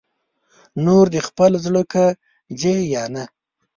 نور دې خپل زړه که ځې یا نه